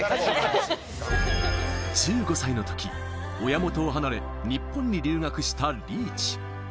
１５歳のとき、親元を離れ、日本に留学したリーチ。